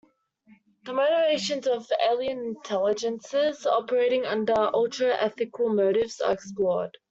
The motivations of alien intelligences operating under ultra-ethical motives are explored.